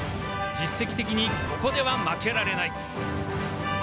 実績的に、ここでは負けられない。